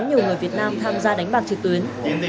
nhiều người việt nam tham gia đánh bạc trực tuyến